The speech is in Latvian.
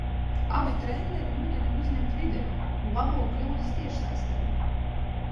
Abi treneri mudina uzņemt video un labo kļūdas tiešsaistē.